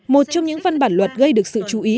một trong những văn bản luật gây được sự chú ý